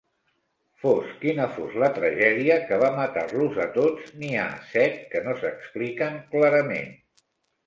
Fos quina fos la tragèdia que va matar-los a tots, n'hi ha set que no s'expliquen clarament.